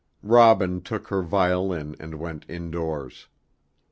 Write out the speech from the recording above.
Robin took her violin and went indoors.